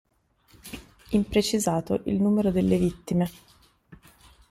Imprecisato il numero delle vittime.